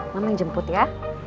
mama yang jemput ya